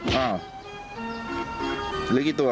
หลีกี่ตัว